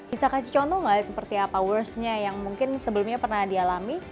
bisa kasih contoh nggak seperti apa worstnya yang mungkin sebelumnya pernah dialami